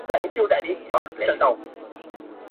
د تورو شپو په توره دربه کي به ځان وسوځم.